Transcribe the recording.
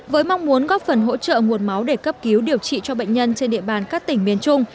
với mong muốn góp phần hỗ trợ nguồn máu để cấp cứu điều trị cho bệnh nhân trên địa bàn các tỉnh miền trung